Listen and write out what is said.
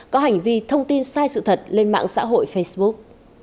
có hành vi thông tin sai sự thật lên mạng xã hội facebook